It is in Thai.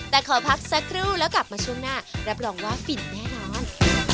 แต่ขอพักสักครู่แล้วกลับมาช่วงหน้ารับรองว่าฟินแน่นอน